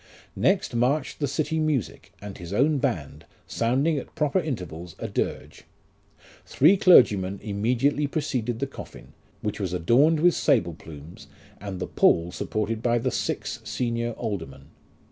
2 Next marched the city music, and his own band, sounding at proper intervals a dirge. Three clergymen immediately preceded the coffin, which was adorned with sable plumes, and the pall supported by the six senior aldermen.